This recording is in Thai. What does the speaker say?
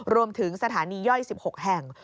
รวมถึงสถานีย่อย๑๖แห่ง